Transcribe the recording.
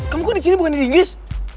kamu kok di sini bukan di inggris